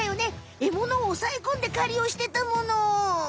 エモノをおさえこんで狩りをしてたもの！